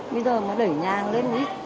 bây giờ nó đẩy nhàng lên ít